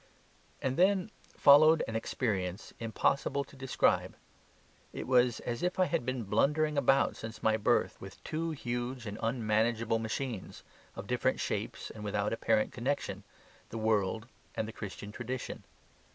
And then followed an experience impossible to describe. It was as if I had been blundering about since my birth with two huge and unmanageable machines, of different shapes and without apparent connection the world and the Christian tradition.